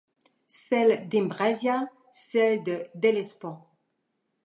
Celle d’Imbrasia ; celle de l’Hellespont